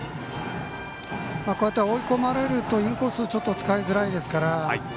こうやって追い込まれるとインコース使いづらいですから。